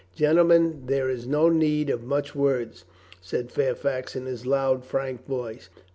"Gentlemen, there is no need of much words," said Fairfax in his loud frank voice.